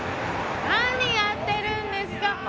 何やってるんですか？